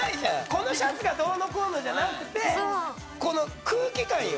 このシャツがどうのこうのじゃなくてこの空気感よ。